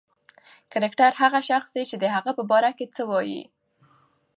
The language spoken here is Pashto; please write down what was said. کرکټر هغه شخص دئ، چي د هغه په باره کښي څه وايي.